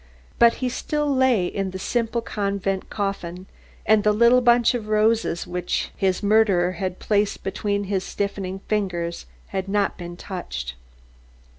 But he still lay in the simple convent coffin and the little bunch of roses which his murderer had placed between his stiffening fingers had not been touched.